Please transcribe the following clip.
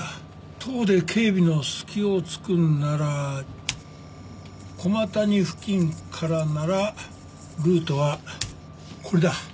徒歩で警備の隙を突くんなら駒谷付近からならルートはこれだ。